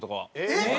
えっ！